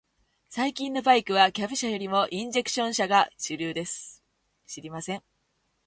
最近のバイクは、キャブ車よりもインジェクション車が主流です。